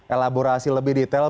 elaborasi lebih detail